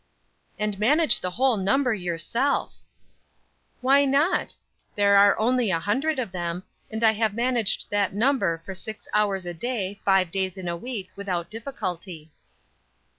"And manage the whole number yourself!" "Why not? There are only a hundred of them, and I have managed that number for six hours a day, five days in a week, without difficulty."